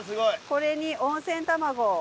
これに温泉卵を。